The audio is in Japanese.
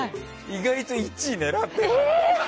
意外と１位狙ってるの。